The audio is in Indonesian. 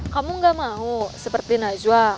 kamu gak mau seperti najwa